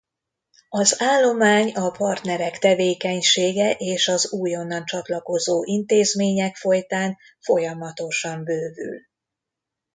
Az állomány a partnerek tevékenysége és az újonnan csatlakozó intézmények folytán folyamatosan bővül.